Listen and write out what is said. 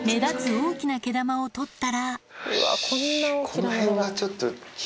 大きな毛玉を取ったらよし。